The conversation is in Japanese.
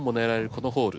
このホール。